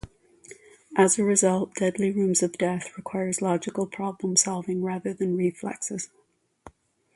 As a result, "Deadly Rooms of Death" requires logical problem-solving rather than reflexes.